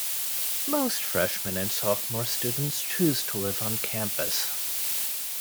Most freshman and sophomore students choose to live on campus.